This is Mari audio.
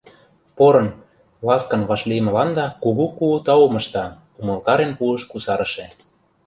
Порын, ласкан вашлиймыланда кугу-кугу таум ышта, — умылтарен пуыш кусарыше.